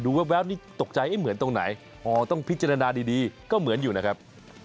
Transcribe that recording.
แว๊บนี่ตกใจเหมือนตรงไหนอ๋อต้องพิจารณาดีก็เหมือนอยู่นะครับ